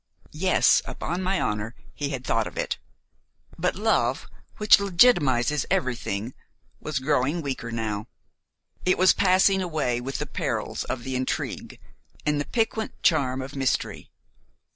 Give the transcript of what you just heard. Yes, upon my honor, he had thought of it; but love, which legitimizes everything, was growing weaker now; it was passing away with the perils of the intrigue and the piquant charm of mystery.